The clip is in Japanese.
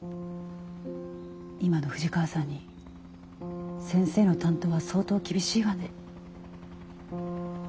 今の藤川さんに先生の担当は相当厳しいわね。